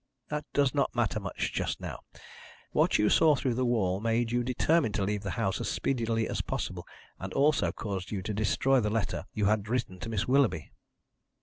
"That does not matter much just now. What you saw through the wall made you determine to leave the house as speedily as possible, and also caused you to destroy the letter you had written to Miss Willoughby.